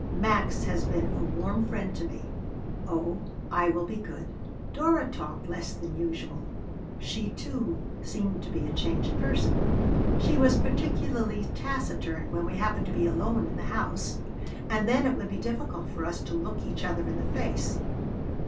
"Max has been a warm friend to me. Oh, I will be good." Dora talked less than usual. She, too, seemed to be a changed person. She was particularly taciturn when we happened to be alone in the house, and then it would be difficult for us to look each other in the face.